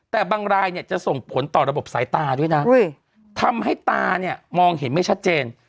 แต่บางรายเนี่ยจะส่งผลต่อระบบสายตาด้วยนะทำให้ตาเนี่ยมองเห็นไม่ชัดเจน